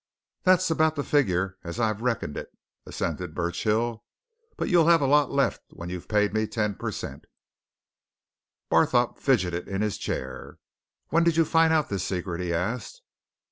"That's about the figure as I've reckoned it," assented Burchill. "But you'll have a lot left when you've paid me ten per cent." Barthorpe fidgeted in his chair. "When did you find out this secret?" he asked.